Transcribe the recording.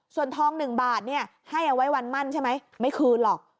ส่วนทอง๑บาทให้เอาไว้วันมั่นใช่ไหมไม่คืนหรอก